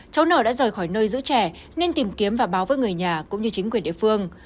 cháu nở đã rời khỏi nơi giữ trẻ nên tìm kiếm và báo với người nhà cũng như chính quyền địa phương